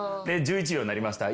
で１１秒になりました。